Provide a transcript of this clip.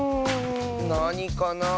なにかなあ。